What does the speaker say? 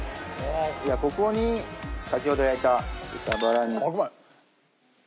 ここに先ほど焼いた豚バラ肉。